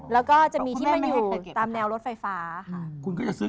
แล้วก็จะมีที่มาอยู่ตามแนวรถไฟฟ้าค่ะ